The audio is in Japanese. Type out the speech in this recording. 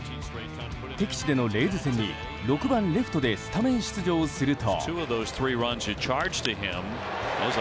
敵地でのレイズ戦に６番レフトでスタメン出場すると。